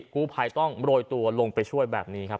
กู้ภัยต้องโรยตัวลงไปช่วยแบบนี้ครับ